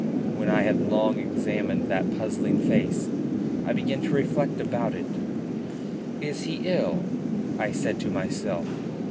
When I had long examined that puzzling face I began to reflect about it. "Is he ill?" I said to myself.